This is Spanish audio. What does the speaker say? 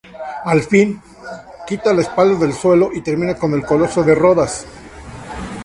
Al fin, quita la espada del suelo y termina con el coloso de Rodas.